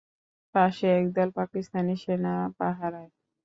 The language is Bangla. পাশে একদল পাকিস্তানি সেনা পাহারায়।